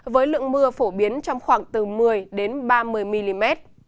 với lượng mưa phổ biến trong khoảng từ một mươi ba mươi mm